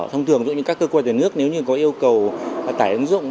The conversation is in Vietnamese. thông thường giữa những các cơ quan nhà nước nếu như có yêu cầu tải ứng dụng